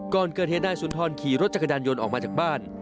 ก่อนเกิดเหตุนายสุนทรขี่รถจักรยานยนต์ออกมาจากบ้าน